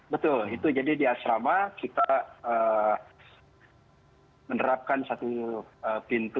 betul itu jadi di asrama kita menerapkan satu pintu